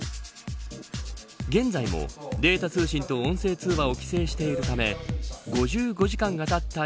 現在もデータ通信と音声通話を規制しているため５５時間がたった